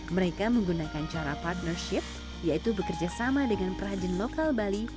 mereka menggunakan cara partnership yaitu bekerjasama dengan peranjen lokal bali